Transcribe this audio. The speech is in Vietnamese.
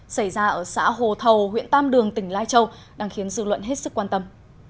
xảy ra ở xã hồ thầu huyện tam đường tỉnh lai châu đang khiến dư luận hết sức quan tâm